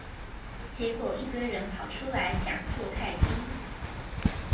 結果一堆人跑出來講做菜經